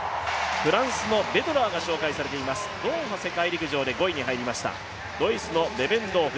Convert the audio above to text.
フランスのベドラーが紹介されています、ドーハ世界陸上で５位に入りましたドイツのベベンドーフ。